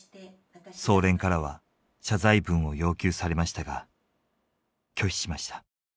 総連からは謝罪文を要求されましたが拒否しました。